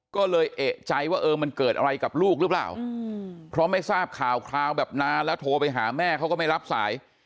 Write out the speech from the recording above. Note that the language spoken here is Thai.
ก็เลยเอกใจว่าเออมันเกิดอะไรกับลูกหรือเปล่าเพราะไม่ทราบข่าวคราวแบบนานแล้วโทรไปหาแม่เขาก็ไม่รับสาย